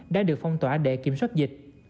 đã được phong tỏa để kiểm soát dịch